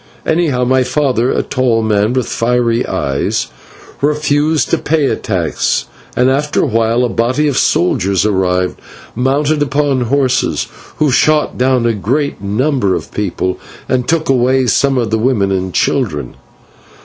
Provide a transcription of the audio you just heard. Anyhow, my father, a tall man with fiery eyes, refused to pay a tax, and, after a while, a body of soldiers arrived, mounted upon horses, who shot down a great number of the people, and took away some of the women and children.